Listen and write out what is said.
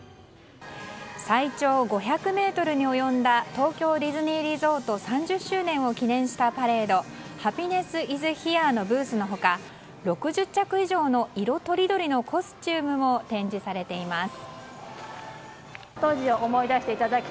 最長５００ｍに及んだ東京ディズニーリゾート３０周年を記念したパレード「ハピネス・イズ・ヒア」のブースの他、６０着以上の色とりどりのコスチュームも展示されています。